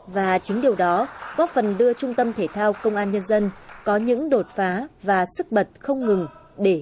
và chính điều đó góp phần đưa trung tâm thể thao công an nhân dân có những đột phá và sức bật không ngừng để vươn xa